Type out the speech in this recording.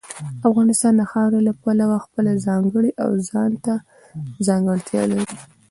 افغانستان د خاورې له پلوه خپله ځانګړې او ځانته ځانګړتیا لري.